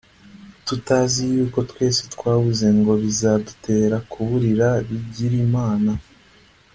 tutazi yuko twese twabuze ngo bizadutere kuburira bigirimana